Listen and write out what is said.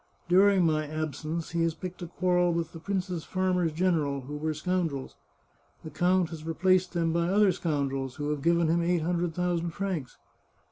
During my absence he has picked a quarrel with the prince's farmers general, who were scoundrels. The count has re placed them by other scoundrels, whohav^ g^yen him eight hundred thousand francs."